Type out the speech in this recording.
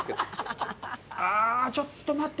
ああ、ちょっと待って！